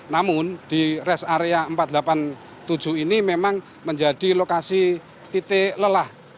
namun di rest area empat ratus delapan puluh tujuh ini memang menjadi lokasi titik lelah